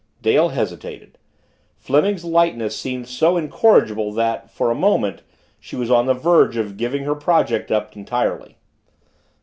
Dale hesitated; Fleming's lightness seemed so incorrigible that, for a moment, she was on the verge of giving her project up entirely.